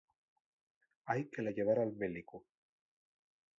Hai que la llevar al mélicu.